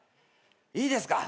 いいですか。